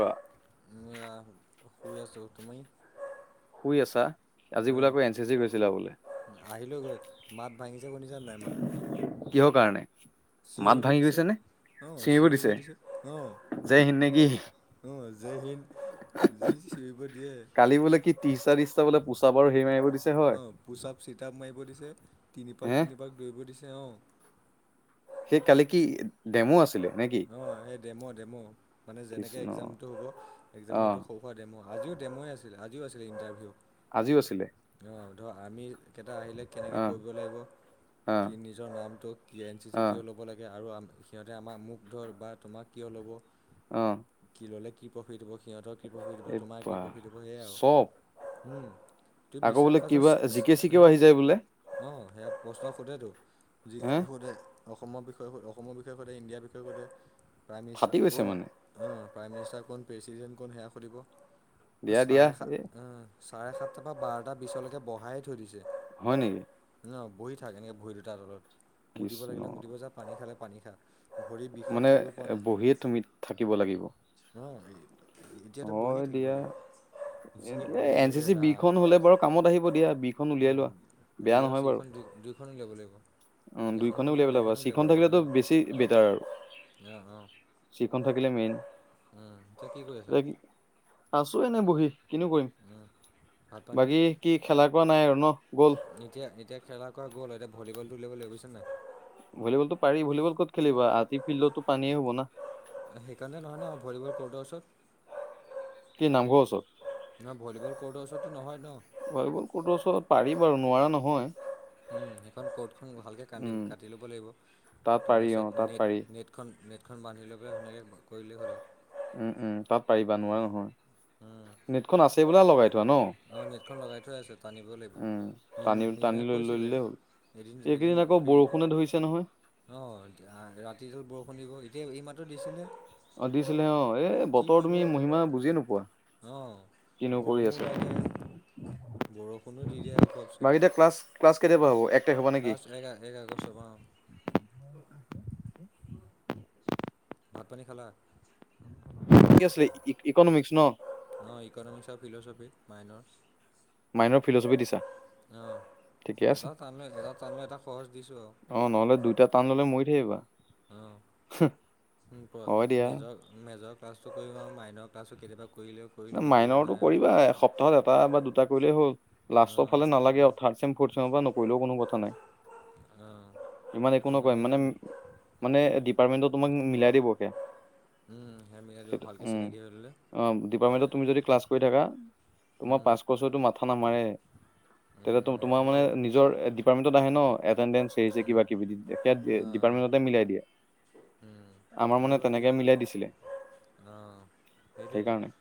বা শুই আছো, তুমি? শুই আছা, আজি বোলে আকৌ এন চি চি গৈছিলা বোলে। আহিলো গৈ, মাত ভাঙিছে শুনিছা নাই মাত। কিহৰ কাৰণে? মাত চিঞৰিব ভাঙি দিছে। গৈছে নে চিঞৰিব আহ, দিছে চিয়ৰিব দিছে যে সিদিনা কি অ' আহ জয়হিন্দ। যি চিঞৰিব দিয়ে। লে কি ত্ৰিশটা তিশটা বোলে পোচ আপৰ সেই মাৰিব দিছে হয় অ' পোচাপ চিতাপ মাৰিব দিছে, তিনি পাক হে তিনি পাক দৌৰিব দিছে অ'। সেই কালি কি ডেমো আছিলে? নে কি অ' স ডেম' ডেম' মানে যেনেকে কৃষ্ণ এক্জাম টো হ'ব একজামৰ আহ সটো হ দেম', আজিও ডেমই আছিল আজিও আছিল ইণ্টাৰভিউ। আজিও আছিলে? অ' ধৰ আমি কেইটা আহিলে কেনেকৈ আহ কৰিব লাগিব, আহ কি নিজৰ নামটো কি এন চি চি আহ কিয় ল'ব লাগে আৰু আমি সিহঁতে আমাক মোক ধৰ বা তোমাক কিয় ল'ব। অ'। কি ললে কি প্ৰফিট হ'ব সিহঁতৰ কি প্ৰফিট হ'ব এই তোমাৰ কি বা প্ৰফিট হ'ব সেয়া আৰু। চব উম, তই আকৌ বিশ্বাস বোলে কৰিছা কিবা জিকে চিকেও আহি যায় বোলে অ' সেয়া প্ৰশ্ন সোধেতটো যি হে সোধে অসমৰ বিষয়ে স অসমৰ বিষয়ে সোধে ইণ্ডিয়া সোধে, প্ৰাইম মিনিষ্টাৰ ফাটি গৈছে কোন। মানে অ' প্ৰাইম মিনিষ্টাৰ কোন, প্ৰেছিডেণ্ট কোন সেয়া সুধিব, অ' দিয়া দিয়া চাৰে এ সাত চাৰে সাতটাৰ পৰা বাৰটা বিছলৈকে বহাই থৈ দিছে। হয় নেকি? ন' বহি থাক এনেকৈ ভৰি দুটাৰ তলত। মুতিব কৃষ্ণ লাগিলে মুতিব যা পানী খালে পানী খা। ভৰি বিষত মানে থাকিব বহিয়ে তুমি থাকিব লাগিব। নহয়, এতিয়াতো হয় বহিয়ে থাকিব দিয়া লাগিব। যি এতিয়া আমনি এন চি লাগে চি ৰাম বিখন হ'লে বাৰু কামত আহিব দিয়া, বিখন অ উলিয়াই লোৱা। বি বেয়া আৰু নহয় বাৰু চিখন দু-দুইখন উলিয়াব লাগিব। অ' এখনো দুইখনে উলিয়াও উলিয়াই ল'ব দুইখনো লাগিব। উলিয়াব চিখন অ থাকিলেতো বেছি চি বেটাৰ আৰু। অ অ চিখন থাকিলে মেইন। উম। এতিয়া কি কৰি আছা? আছোঁ এনে বহি কিনো কৰিম। উম ভাত পানী বাকী কি খেলা কোৱা নাই আৰু ন' গ'ল। এতিয়া এতিয়া খেলা কৰা গ'ল। এতিয়া ভলীবলটো উলিয়াই ল'ব লাগিব বুজিছে নে নাই? ভলীলটো পাৰি। ভলীবল ক'ত খেলিবা আজি ফিল্ডতো পানীয়ে হ'ব না। সেইকাৰণে নহয় ন' ভলিবল ক'ৰডৰ ওচৰত? কি নামঘৰ ওচৰত ন' ভলীবল কৰ্ডৰ ওচৰততো নহয় ন'। ভলীবল ক'ৰডৰ ওচৰত পাৰি বাৰু নোৱাৰা নহয়। সেইখন ক'ৰ্ডখন ভালকৈ কান্দি উম কাটি ল'ব লাগিব, তাত পাৰি অ তাৰপিছত নেট তাত পাৰি নেট নেটখন নেটখন বান্ধি লৈ পেলাই ধুনীয়াকে কৰিলেই হ'ল আৰু। উম, উম, তাত পাৰিবা নোৱাৰা নহয়। নেটখন আছেই বোলা লগাই থোৱা ন'? অ' নেটখন লগাই থোৱা আছে, টানিব লাগিব। উম টানি টানি মি-মিন্ময়ে লৈ লৈ কৈছিলে। ল'লে হ'ল এদিন এদিন এইকেইদিন আকৌ ফ্ৰী। বৰষুণে ধৰিছে নহয় অ' ৰাতিটো বৰষুণ দিব, এতিয়া এই মাত্ৰ দিছিলে। অ' দিছিলে অ'। এই কি বতৰ কৰিব তুমি মহিমা বুজিয়ে নোপোৱা কিনো কৰি আছে। তাকে। বৰষুণো দি দিয়ে আৰু ঘপছে। বাকী ক্লাছ ক্লাছ কেতিয়া পৰা হ'ব? এক তাৰিখৰ পৰা নেকি ক্লাছ এ-এক আগষ্টৰপৰা অ'। [unintelligible] ভাত পানী খালা? কি আছিলে ইকনমিক্স ন'? অ' ইক'নমিক্স আৰু ফিল'চফি মাইনৰ। মাইনৰ ফিলচফি দিছা অ' ঠিকে আছে এটা তানো এটা তানো এটা সহজ দিছোঁ আৰু। অ' নহ'লে দুইটা টান ললে মৰি থাকিবা। অ'। উম কোৱা হয় দিয়া মেজৰ মেজৰ ক্লাছটো কৰিম আৰু মাইনৰ ক্লাছটো কেতিয়াবা কৰিলেও কৰিম না নকৰিলে মাইন'ৰটো নাই আৰু কৰিবা, এসপ্তাহত এটা বা দুটা কৰিলেই হ'ল। লাষ্টৰ অঁ ফালে নালাগে আৰু থাৰ্ড চেম ফৰ্থ চেমৰপৰা নকৰিলেও কোনো কথা নাই। অঁ ইমান একো আমনি নকয় লাগিছে মানে মানে ডিপাৰ্টমেন্টত তোমাক মিলাই দিব কে। উম, সেয়া মিলাই দিব ভালকৈ চিনাকি হৈ ল'লে। অ' ডিপাৰ্টমেণ্টত তুমি যদি ক্লাছ কৰি থাকা তোমাৰ উম পাছ কৰ্চৰতো মাথা নামাৰে। উম তেতিয়া উম তো-তোমাৰ মানে সেইটোৱেতো নিজৰ ডিপাৰ্টমেণ্টত আহে ন' এট এটটেনডেন্স হেৰি চেৰি উম কিবা কিবি দি দিয়ে। সেয়া অঁ অঁ ডিপাৰ্টমেট মিলাই দিয়ে। উম আমাৰ আৰু মানে তেনেকে এতিয়া মিলাই দিছিলে অঁ সেইটোৱেতো সেইকাৰণে।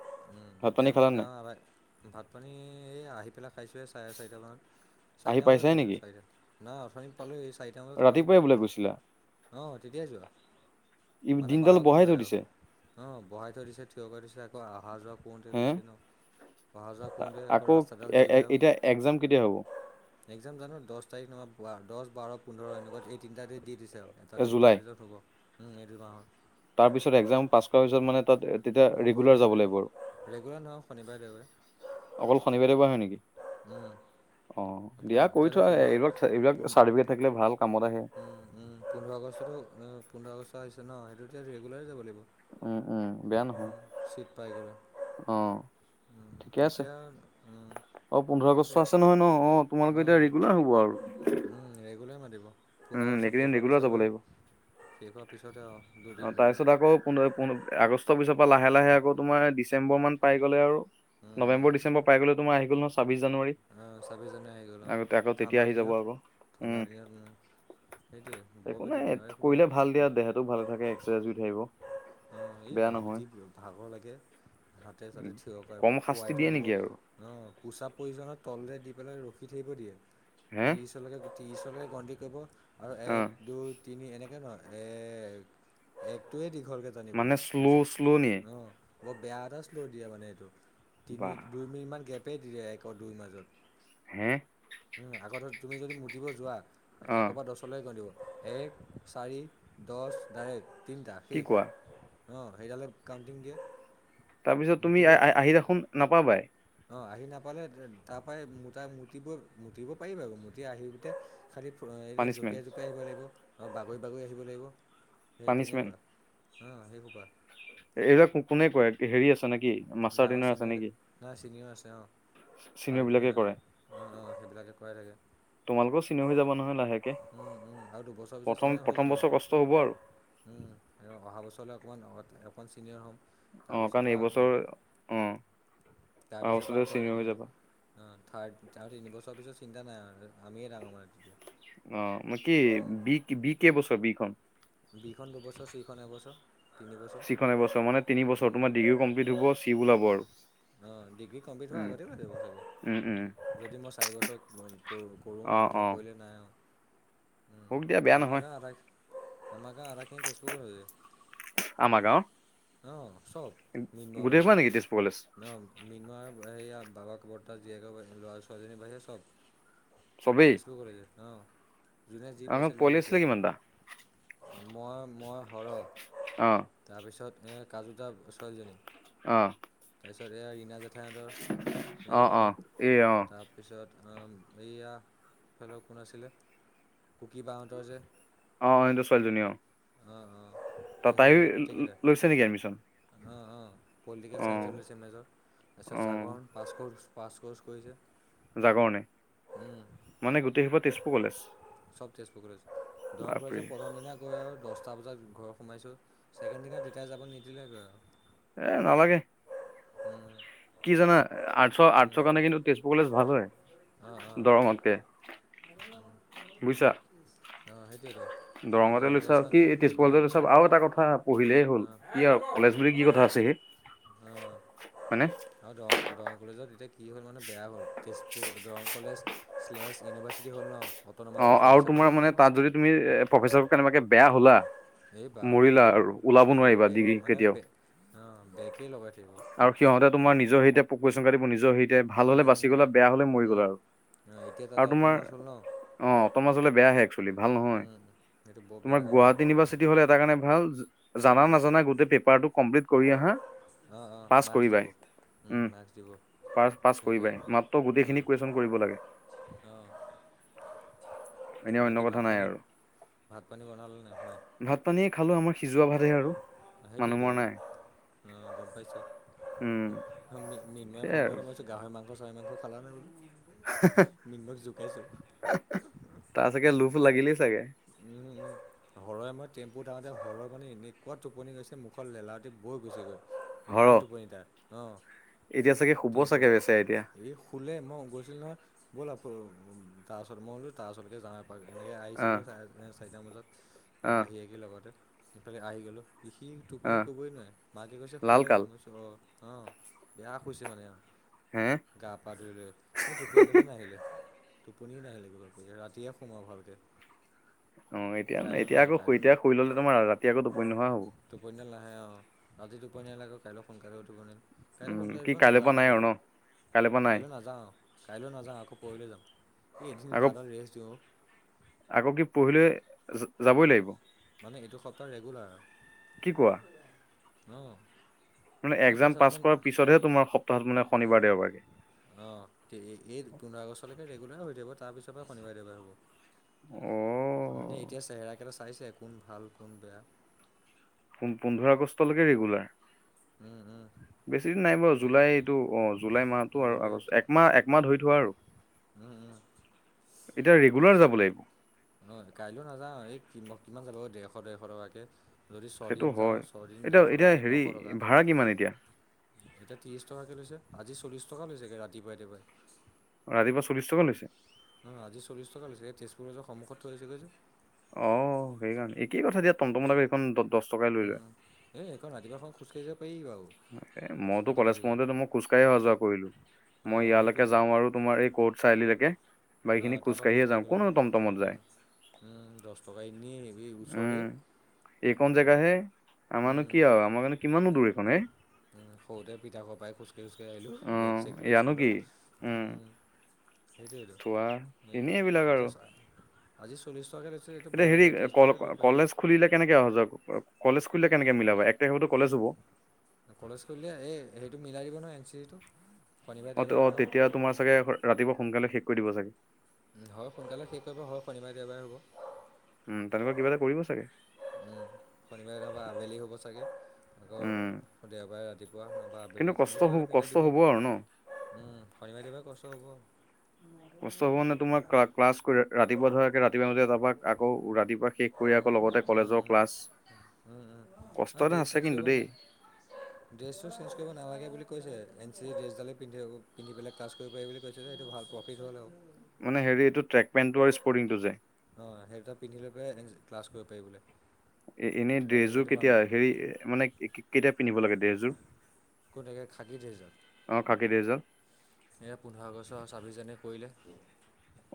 উম, ভাত এতিয়া পানী আমাৰ খালা নাই গাঁৱৰ আধা, ভাত পানী এই আহি পেলাই পাইছোহে চাৰে চাৰিটামানত। আহি চাৰিটা বজাত পাইছাই নেকি খাইছোঁ চাৰিটাত, নহয় অথনি পালোঁ এই চাৰিটা বজাত খালোঁ ৰাতিপুৱাই বোলে গৈছিলা ভাত। অ' তেতিয়াই যোৱা। ই মানে দিনডাল বাৰ বঢ়াই থৈ ঘণ্টাই দিছে আৰু। অ' বহাই থৈ দিছে, থিয় কৰাই থৈছে আকৌ আহা যোৱা কৰোঁতে হে গৈছে ন'। অহা যোৱা কৰোঁতে আকৌ ৰাস্তাডাল এ এ যিহে আৰু। এতিয়া এক্জাম কেতিয়া হ'ব এক্সাম জানো দচ তাৰিখ নাইবা দহ, বাৰ, পোন্ধৰ এনেকুৱা এই তিনিটা ডেইট দি দিছে। এটা এ এটাৰ জুলাই জত হ'ব এই দুমাহৰ তাৰ পিছত একজাম পাছ কৰাৰ পিছত মানে তাত তেতিয়া গৈ ৰেগুলাৰ থাকিব যাব লাগিব আৰু। ৰেগুলাৰ নহও শনিবাৰে দেওবাৰে। অকল শনিবাৰে প হয় নেকি? উম। অ' দিয়া পোন্ধৰ কৰি এতিয়াতো থোৱা পোন্ধৰ এইবিলাক এইবিলাক পোন চাৰ্টিফিকেট থাকিলে ভাল কামত আহে। উম, পোন্ধৰ আগষ্টটো পোন্ধৰ আগষ্ট আহিছে ন সেইটো এতিয়া ৰেগুলাৰ যাব লাগিব। উম, উম বেয়া নহয়। ছিট পাই গ'লে অ' উম, ঠিকে আছে। এতিয়া উম, অ' পোন্ধৰ আগষ্ট সেইটোৱে আছে নহয় ন অ' তোমালোকৰ এতিয়া অ'। ৰেগুলাৰ হব আৰু। ৰেগুলাৰ মাতিব পোন্ধৰ উম আগষ্ট এইকেইদিন শেষ হোৱাৰ ৰেগুলাৰ পিছৰ যাব লাগিব। পৰাহেই শেষ হোৱাৰ পিছতে আৰু অ দুদিন দুদিন। তাৰপিছত আকৌ পু আগষ্টৰ পিছৰ পৰা লাহে লাহে আকৌ তোমাৰ ডিচেম্বৰ মান পাই গ'লে আৰু উম উম নৱেম্বৰ ডচেম্বৰ পাই গ'লে তোমাৰ আহি গল ন ছাব্বিছ জানুৱাৰী। অ' ছাবিছ জানুৱাৰী আহি গ'ল আগতে আকৌ তেতিয়া ঠাণ্ডাৰ আহি যাব আকৌ দিনত উম। ঠাণ্ডাৰ দিনত সেইটোৱে বৰ একো বৰ নাই দিগদাৰ এই সোপা কৰিলে ভাল দিয়া দেহাতটো ভালে থাকে, এক্সাৰচাইজ থাকিব। এই বেয়া নহয়। যি ভাগৰ লাগে হাতে চাতে থিয় কৰা কম শাস্তি শুৱাই থৈ দিয়ে দিব। নেকি আৰু অ' পোচাপ প্ৰয়োজনত তলৰে দি পেলাই ৰখি থাকিব দিয়ে, হে ত্ৰিছ অ [unintelligible] এক দুই তিনি এনেকে নহয় এক একটোৱে দীঘলকৈ নাজানিব মানে শ্ল' শ্ল' নিয়ে। তাৰপিছত ন অলপ বেয়া এটা শ্ল' দিয়ে মানে এইটো তিনি বাহ দুই মিনিটমান গেপেই দিয়ে একৌ দুই মাজত। হে আকৌ তুমি যদি মুটিব যোৱা অ তেতিয়া চলাই গ এক চাৰি দহ ডাৰে তিনিটা কি শেষ। কোৱা অ' সেইডালে কাউণ্টিং দিয়ে। তাৰপিছত তুমি আহ আহ আহি দেখোন নাপাবাই। অ' আহি নাপালে তাৰ পৰাই মতাই মুতিব মুতিব পাৰি আৰু মুতি আহিতে খালী এনেই পানিচমেন্ট জপিয়াই জপিয়াই আহিব লাগিব আৰু বাগৰি বাগৰি আহিব লাগিব সেই তেনেকুৱা। অ' সেই খোপা এইবাক কোনে কয় হেৰি আছা নেকি? মাষ্টাৰ ডাঙৰ ট্ৰেইনাৰ আছে চিনিয়ৰ নেকি? চিনিয়ৰ আছে অ'। চিনিয়ৰ ঠাইড বিলাকে কৰে অ' সেইবিলাকে কৰাই থাকে। তোমালোকেও চিনিয়ৰ হৈ যাবা নহয় লাহেকে উম, উম আৰু দুবছৰ পিছত প্ৰথম চিনিয়ৰ হৈ যাম প্ৰথম আৰু। বছৰ কষ্ট হ'ব আৰু আৰু অহা বছৰলৈ অকণমান অকণ চিনিয়ৰ হ'ম। অ তাৰপিছৰ কাৰণ পৰা অ' এইবছৰ অ তাৰ অহা পিছৰ পৰা বছৰতে য চিনিয়ৰ হৈ যাবা অ' থাৰ্ড আৰু তিনি বছৰ পিছত চিন্তা নাই আৰু আমিয়ে ডাঙৰ মানে তেতিয়া। অ' কি বি বি কেই বছৰ বিখন? বিখন দুবছৰ চিখন এবছৰ। তিনিবছৰ চিখনে এবছৰ মানে তিনি বছৰ তোমাৰ ডিগ্ৰীও কমপ্লিট হব চি ওলাব আৰু অ' ডিগ্ৰী কমপ্লিট হোৱা উম আগতে হৈ উম উম যাব যদি মই চাৰি বছৰ কৰো অ বা অ নকৰিলে নাই আৰু। হওক দিয়া বেয়া নহয় আমাৰাক আধা আমাৰাকে আধাখিনি তেজপুৰক আমাৰ গাঁৱৰ [unintelligible] আহ চব মিনোৱা [unintelligible] ন মিনাৰ বাহি বাবাক বৰ্তা জীয়েকৰাহ ল'ৰা ছোৱালীজনীৰ বাহিৰে চব চবেই তেজপুৰ কলেজত ন? যোনে যি আমাৰ গাঁৱত পাইছে লৈ পোৱালি লৈছে আছিলে কিমানটা আৰু মই মই হৰহ অ তাৰপিছত এই কাজুটা ছোৱালীজনী অ'। তাৰপিছত এইয়া ৰীণা জেঠাইহঁতৰ অ অ এইজনী। তা এই অ তাৰপিছত এইয়া এইফালৰ কোন আছিলে কুকী বাহঁতৰ যে অ' ইহ'তৰ ছোৱালীজনী অ'। অ' অ' ত সেই সেই তাইও কেইযোৰ গোটেই কেইটা। লৈছে নেকি এডমিশন অঁ অঁ পলিটিকেল অ ছাইঞ্চত লৈছে মেজৰ, তাৰপিছত অ জাগৰণ পাছ ক'ৰ্চ পাছ ক'ৰ্চ কৰিছে। জাগৰণে মানে গোটেই সোপা তেজপুৰ কলেজ? চব তেজপুৰ কলেজ, দৰং বাপৰে কলেজৰ প্ৰথম দিনা গৈ আৰু দহটা বজাত ঘৰত সোমাইছোঁ, ছেকেণ্ড দিনা দেতাই যাব নিদিলে গৈ আৰু। এ নালাগে। কি জানা আৰ্টচৰ আৰ্টচৰ কাৰণে কিন্তু তেজপুৰ কলেজ ভাল হয়। দৰঙতকে অ' অ'। বুজিছা অ' হেইটোৱেটো। দৰঙতে লৈছা কি তেজপাৰ কলতে লৈছা, আৰু এটা কথা পঢ়িলেই হ'ল অঁ কি আৰু। কলেজ বুলি কি কথা আছে হে অঁ হয়নে? আৰু দং দৰং কলেজত এতিয়া কি হ'ল মানে বেয়া হ'ল, Tezpur Darrang college slash university হ'ল ন। অট'নমাছ অ' হৈ যোৱাৰ আৰু পিছৰ পৰা তোমাৰ মানে তাত যদি তুমি প্ৰফেচাৰ লগত কেনেবাকে বেয়া হ'লা। এই বা মৰিলা এই আৰু ওলাব নোৱাৰিবা বে ডিগ্ৰী মানে কেতিয়াও বে অ' বেকেই লগাই থাকিব। আৰু সিহঁতে তোমাৰ নিজৰ হেৰিতে প কুৱেশ্যন কাটিব নিজৰ হেৰিতে ভাল হ'লে উম বাচি উম গ'লা উম বেয়া হ'লে মৰি উম গ'লা। আৰু অঁ এতিয়া তাতে আৰু তোমাৰ অট'নমাছ হ'ল ন অ' অ'টোনমাচ হ'লে বেয়াহে এক্সচুৱেলী ভাল নহয়, উম সেইটো বৰ বেয়া তোমাৰ কাম কৰে গুৱাহাটী ইউনিভাৰ্চিটি কি হ'ল এটা কাৰণে ভাল জানা অঁ নাজানা গোটেই পেপাৰ টো কমপ্লিট কৰি আহা অ' পাছ অ' মাৰ্কচ দিব কৰিবাই উম মাৰ্কচ দিব। পাছ পাছ সেইটোৱে কৰিবাই, মাত্ৰ গোটেইখিনি কুৱেশ্যন কৰিব লাগে। অ'। এনে অন্য বাকী কথা ভাত নাই পানী আৰু ভাত পানী বনালে নাই? ভাত পানী খালো, আমাৰ সিজোৱা ভাতহে আৰু মানুহ মৰা নাই। অ' গ'ম পাইছো। উম মিন্ময়ে ফোন সেইয়াই আৰু কৰোতে মই ভাবিছো গাহৰি মাংস চাহ মাংস খালা নে বোলো? মৃন্ময়ক জোকাইছোঁ তাৰ চাগে লোভ লাগিলেই চাগে। উম উম। হৰয়ে মই টেম্পুত আহোতে হৰ মানে এনেকুৱা টোপনি গৈছে মুখত লেলাৱটি বৈ গৈছে গৈ। হৰ ইমানেই টোপনি তাৰ অ' এতিয়া চাগে শুব টেম্পুত। চাগে বেচেৰা এতিয়া এই শুলে মই গৈছিলো নহয়, ব'ল অ তাৰ ওচৰত মই বোলো তাৰ ওচৰলৈকে যাওঁ হয় আহ আহিছিলোঁ চাৰে চাৰিটা বজাত আহ আহিযেকি লগতে ইফালে আহি গ'লোঁ। সি টোপনি আহ ক'বই নোৱাৰে, মাকে কৈছে লাল শুলে কাল মই অঁ অঁ বেয়া শুইছে মানে আৰু। হে'। গা পা ধুই লৈ, মোৰ টোপনী দালে নাহিলে। টোপনিয়ে নাহিলে, ভালকৈ ৰাতিয়ে সোমায় ভালকে। অ' এতিয়া কাইলৈ ন এতিয়া আকৌ কাইলৈ ন এতিয়া শুই ল'লে তোমাৰ ৰাতি আকৌ টো। পনি নোহোৱা হ'ব টোপনীয়া নাহে অ', ৰাতি টোপনী নাহিলে আকৌ কাইলৈ সোনকালে ওঠিব নোৱাৰিম। কাইলৈ উম সোনকাল কি উঠিব কাইলৈৰ পৰা নাযাওঁ, নাই আৰু ন কাইলৈ কাইলৈৰ পৰা নাই কাইলৈ নাযাওঁ। কাইলৈ নাযাওঁ, আকৌ পৰহিলৈ যাম। এই এদিন আকৌ গা ডাল ৰেষ্ট দিওঁ অ'। আকৌ কি পৰহিলৈ যাবই লাগিব। মানে এইটো সপ্তাহ কি কোৱা ৰেগুলাৰ অ'। মানে এক্সাম পাছ কৰাৰ পিছতহে তোমাৰ সপ্তাহত মানে শনিবাৰ দেওবাৰে অ', এই পোন্ধৰ আগষ্টলৈকে ৰেগুলাৰ হৈ থাকিব, তাৰপিছৰ পৰা শনিবাৰে দেওবাৰ হ'ব। অ'। মানে এতিয়া চেহেৰাকেইটা চাইছে কোন ভাল কোন বেয়া। পোন্ধৰ আগষ্টলৈকে ৰেগুলাৰ উম-উম বেছি দিন নাই বাৰু জুলাই এইটো অ জুলাই মাহতটো আৰু আগষ্ট একমাহ একমাহ ধৰি থোৱা আৰু উম-উম এতিয়া ৰেগুলাৰ যাব লাগিব। নহয় কাইলৈও নাযাওঁ এই কি কিমান যাব ডেৰশ ডেৰশ টকাকৈ যদি সেইটো ছয়দিন হয় যাওঁ ছদিন এতিয়া ডেৰশ এতিয়া টকাকৈ হেৰি নশ টকা ভাড়া কিমান এতিয়া ত্ৰিছ টকাকৈ লৈছে আজি চল্লিছ টকা লৈছেগৈ ৰাতিপুৱাইতিৱাই ৰাতিপা চলিশ টকা লৈছে। অ', আজি চল্লি টকা লৈছে এই তেজপুৰৰজৰ সন্মুখত থৈছেগৈ যে, অ', সেইকাৰণে একেই কথা দিয়া টনন্ত মলাকে এইেইখন দ দহ টকাই লৈ লয়। এই [unintelligible] খন ৰাতিপুৱাখন খোজকাঢ়িব পাৰি বাৰু। মইতো ৰাতিপুৱা কলেজ ৰাতিপুৱা পঢ়োতে তো মই খোজ কঢ়ি অহা যোৱা কৰিলো। মই অঁ ইয়ালৈকে সেইটোৱেইটো যাওঁ আৰু তোমাৰ এই কৰ্ট অঁ চাৰিআলৈকে বাকীখিনি অঁ খোজকাঢ়িয়ে যাওঁ। কোনো টমটমত যায়। উম দহ টকা এ নিয়ে এই ওচৰে এইখনন জেগাহে আমাৰো কি আৰু আমাৰ কাৰো কিমান দূৰ এইখন হ সৰুতে পিঠা খপাই খোজকাঢ়ি খোজকাঢ় আহিলোঁ অ বেগ চেক লৈ ইয়ানো স্কুলত কি উম সেইটোৱেইত থোৱা এনেই এইবিলাক আৰু এতিয়া চাই আজি চলি কৈছে এইটো এতিয়া হেৰি বেয়াগছে কল ত্ৰিছটকাকৈ লৈ পি আৰু কলেজ খুলিলে কেনেকে অহাোৱা কলেজ খুলিলে কেনেকে মিলাবা এক তাৰিখতো কলেজ হ'ব খৰজ কৰিলে এই সেইটো মিলাই দিব নয় এন চি চি টো অ', অ', তেতিয়া তোমাৰ চাগে ৰাতিপুৱা সোনকালে শেষ কৰি দিব চাগে। হয়। সোনকালে শেষ কৰিব হয় শনিবাৰে দেওবাৰে হ'ব। উম, তেনেকুৱা কিবা এটা কৰিব চাগে। শনিবাৰোবা আবেলি হ'ব চাগে উম আকৌ দেওবাৰে ৰাতিপুৱা বা কিন্তু আবেলি কষ্ট তেনে হ কিব কষ্ট মিলাই দিব হ'ব আৰু ন শনিবাৰ দিবলৈ কষ্ট হ'ব। কষ্ট হ'ব নে তোমাৰ ক্লাছ ৰাতিপুৱা ধৰা ৰাতিপুৱা ম যাবাক আকৌ ৰাতিপুৱা শেষ কৰি উম, আকৌ লগতে উম, উম, কলেজৰ ক্লাছ কষ্ট আৰু এটা ড্ৰেছ আছে চেঞ্জ কিন্তু কৰিব দেই নাই। ড্ৰেছটো চেঞ্জ কৰিব নালাগে বুলি কৈছে এন চি ড্ৰেছডালে পিন্ধ পিন্ধি পেল। কাৰ্ কৰিব পাৰি বুলি কৈছে যে এইটো ভাল প্ৰফিট হ' নাই। মানে এইটো ট্ৰেক পেণ্টটো আৰু স্পৰ্টিংটো যে। অ', সেই দুটা পিন্ধিলে পাই এ ক্লাছ কৰিব পাৰি বোলে। এ, এনেই কলেজে ড্ৰেছো সেইটো পাম কেতিয়া হেৰি মানে কেতিয়া পিন্ধিব লাগে। ড্ৰেজ কোনেকৈ খাকি থৈ য অ খাকী ড্ৰেছযোৰ এ, পোন্ধৰ আগষ্ট ছাব্বিছ জানুৱাৰী কৰিলে।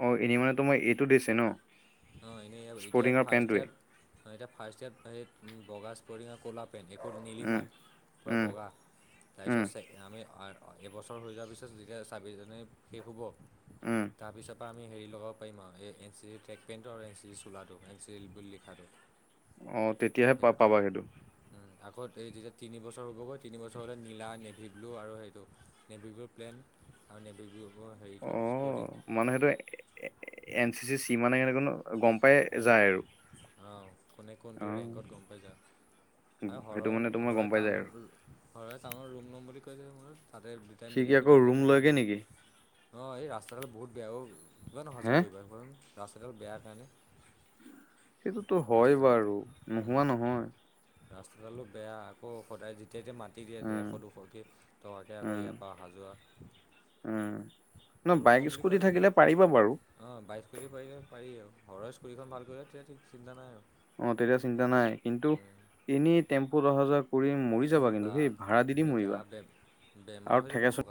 অ', এনে মান তো মই এইটো দিছে ন অঁ এনেই এতিয়া স্পৰ্টিঙৰ ফাৰ্ষ্ট পেণ্টোৱে ইয়াৰত এতিয়া ফাৰ্ষ্ট ইয়াত স বগা স্পৰিঙ ক'লা পেণ্ট একো উম নিলিখাৰা উম বগা উম তাৰপিছত আমি এবছৰ হৈ যোৱাৰ পিছত যেতিয়া ছাব্বিছ জানুৱাৰী শেষ হ'ব উম তাপিছ পা আমি হেৰি ল'ব পাৰিম আৰু এই এন চি জিৰ ট্ৰেকপেণ্টো আৰু এন চি জিৰ চোলাটো এন চি জ বুলি লিখাটো অঁ তেতিয়াহে পা পাবা সেইটো আগত এই যেতিয়া তিনি বছৰ ওৰ হ'বগৈ তিনি বছৰ হ'লে নীলা নেভি ব্লু আৰু সেইটো নেভি ব্লু প্লেন আৰু নেভি ব্লু ম হেৰিটো স্পৰ্টিং মানুহেইটো এ এন চি চি চি মানে এনে কোননো অঁ কোনে কোনটো অ ৰেংকত গম পাই যা হৰ সেইটো মানে তোমাৰ হৰা গম পাই যায় টাউনত আৰু হৰা টাউন ৰুম নম বুলি কৈছে মোৰ তাতে দে, সি কি মিলাই কিবা আকৌ এটা কৰি ৰুম থাকি দিম লয়গে নেকি? আৰু অ', এই ৰাস্তাডাল বহুত বেয়া অ'। কিমান হে অহা-যোৱা কৰিবা, কোৱাচোন। ৰাস্তাডাল বেয়া কাৰণে সেইটোতো হয় বাৰু, ৰাস্তাডাল নোহোৱা নহয়। ৰাস্তাডালো বেয়া। আকৌ সদায় যেতিয়া-তেতিয়া মাত কাটি দিয়ে উম ডেৰশ-দুশকে টকাকে আকৌ উম ইয়াৰ পৰা অহা-যোৱা উম, নহয় বাইক-স্কুটি থাকিলে পাৰিবা বাৰু। অ', বাইক-স্কুটি পাৰিলে পাৰি আৰু ঘৰৰ স্কুটিখন ভাল কৰিলে, তেতিয়া ঠিক, চিন্তা নাই আৰু অ', তেতিয়া চিন্তা নাই। কিন্তু এনেই টেম্পুত অহা-যোৱা কৰি-মৰি যাবা, কিন্তু বা দেই। ভাড়া দি-দি এই গা মৰিবা বে বেমাৰ আৰু, হৈ যাব থেকেচনী